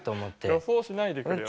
予想しないでくれよ